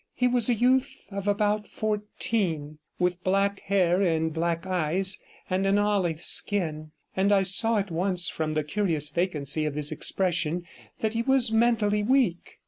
He was a youth of about fourteen, with black hair and black eyes and an olive skin, and I saw at once from the curious vacancy of his expression that he was mentally weak.